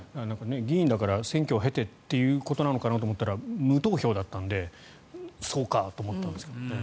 議員だから選挙を経てということなのかなと思ったら無投票だったのでそうかと思ったんですけどね。